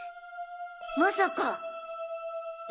まさか。